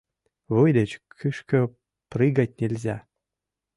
Вуй деч кӱшкӧ прыгать нельзя.